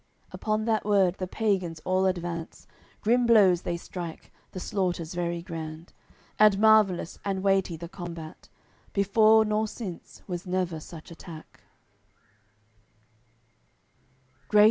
Upon that word the pagans all advance; Grim blows they strike, the slaughter's very grand. And marvellous and weighty the combat: Before nor since was never such attack.